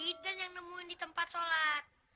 nah itu zidan yang nemuin di tempat sholat